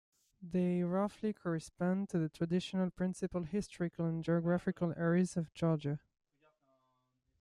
They roughly correspond to the traditional principal historical and geographical areas of Georgia.